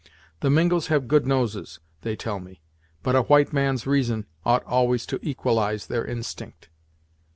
The Mingos have good noses, they tell me; but a white man's reason ought always to equalize their instinct."